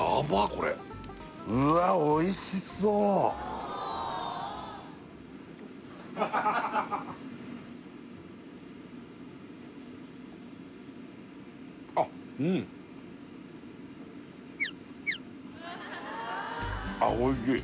これうわおいしそうあっうんあっおいしい